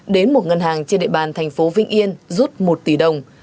đến một ngân hàng trên địa bàn thành phố vĩnh yên rút một tỷ đồng